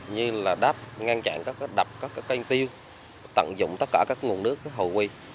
như là đáp ngăn chặn các đập các canh tiêu tận dụng tất cả các nguồn nước hồi quy